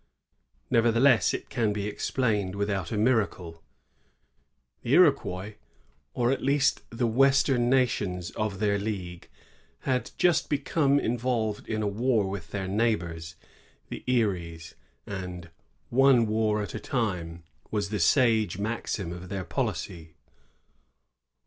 Nevertheless, it can be explained without a miracle. The Iroquois, or at least the western nations of their league, had just become involved in war with their neighbors the Eries,^ and ^*one war at a time" was the sage maxim of their policy.